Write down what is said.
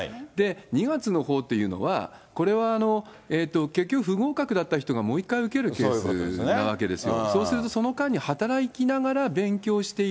２月のほうっていうのは、これは結局、不合格だった人がもう一回受けるケースなわけですよ。